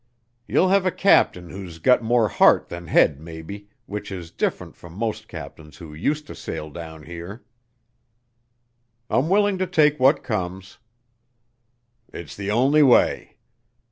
Ye'll have a captain whose got more heart than head maybe, which is diff'rent from most captains who useter sail down here." "I'm willing to take what comes." "It's the only way.